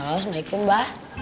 halo assalamualaikum mba